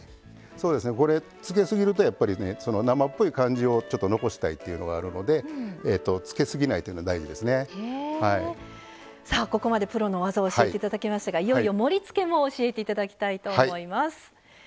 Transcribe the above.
生っぽい感じをちょっと残したいっていうのがあるのでつけすぎないというのがここまでプロの技を教えていただきましたがいよいよ盛りつけも教えていただきたいと思います。